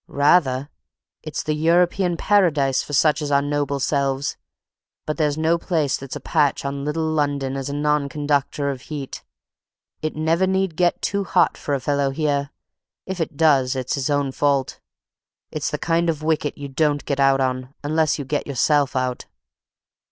"Rather! It's the European paradise for such as our noble selves. But there's no place that's a patch on little London as a non conductor of heat; it never need get too hot for a fellow here; if it does it's his own fault. It's the kind of wicket you don't get out on, unless you get yourself out.